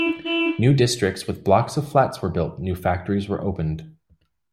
New districts with blocks of flats were built, new factories were opened.